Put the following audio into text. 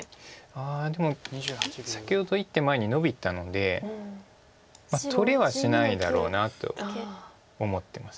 ああでも先ほど１手前にノビたので取れはしないだろうなと思ってます。